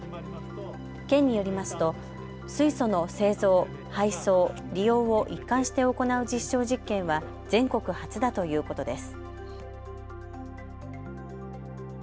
県によりますと水素の製造、配送、利用を一貫して行う実証実験は全国初だということです。